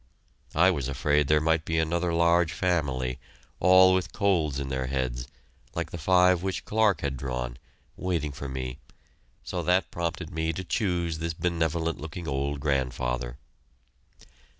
I was afraid there might be another large family, all with colds in their heads, like the five which Clarke had drawn, waiting for me, so that prompted me to choose this benevolent looking old grandfather.